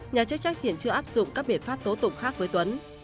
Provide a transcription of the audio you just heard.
nhà chức trách hiện chưa áp dụng các biện pháp tố tụng khác với tuấn